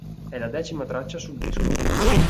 È la decima traccia sul disco.